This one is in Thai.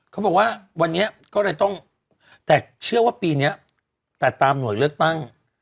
เขาบอกว่าวันนี้ก็เลยต้องแต่เชื่อว่าปีนี้แต่ตามหน่วยเลือกตั้ง